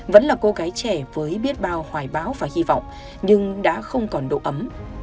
vẫn là cô gái trẻ với biết bao hoài bão và hy vọng nhưng đã không còn độ ấm